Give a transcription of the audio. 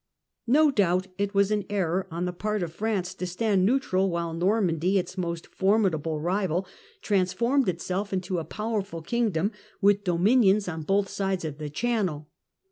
No doubt it was an error on the part of France to stand ieutral while Normandy, its most formidable rival, trans 52 THE CENTRAL PERIOD OF THE MIDDLE AGE formed itself into a powerful kingdom with dominions on both sides of the Channel.